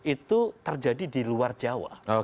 itu terjadi di luar jawa